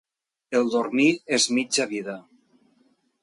El dormir és mitja vida.